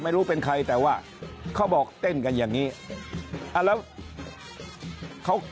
ไม่รู้เป็นใครแต่ว่าเขาบอกเต้นกันอย่างนี้แล้วเขา